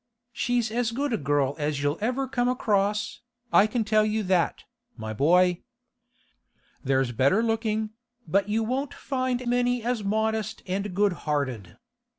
She's as good a girl as you'll ever come across, I can tell you that, my boy. There's better looking, but you won't find many as modest and good hearted.